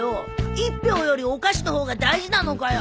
一票よりお菓子の方が大事なのかよ。